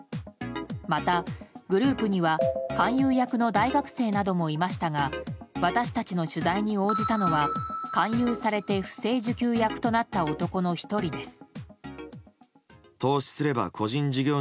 また、グループには勧誘役の大学生などもいましたが私たちの取材に応じたのは勧誘されて不正受給役となった男の１人です。